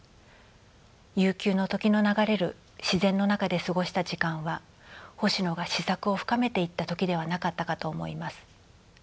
悠久の時の流れる自然の中で過ごした時間は星野が思索を深めていった時ではなかったかと思います。